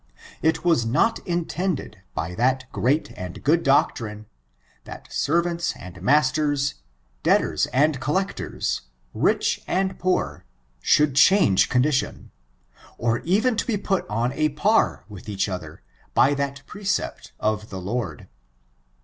It was not intended by that great and good doctrine, that serv* ants and masters^ debtors and creditors^ rich and poor^ should change condition, or even to be put on a par with each other by that precept of the Lord.